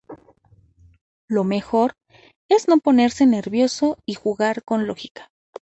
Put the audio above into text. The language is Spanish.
Lo mejor es no ponerse nervioso y jugar con lógica.